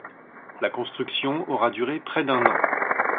La construction aura duré près d'un an.